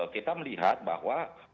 kita melihat bahwa